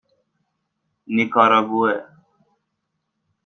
نیکاراگوآ